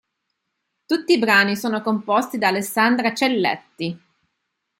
Tutti i brani sono composti da Alessandra Celletti.